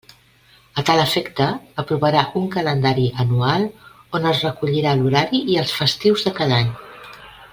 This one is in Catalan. A tal efecte aprovarà un calendari anual on es recollirà l'horari i els festius de cada any.